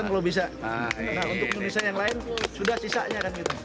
untuk indonesia yang lain sudah sisanya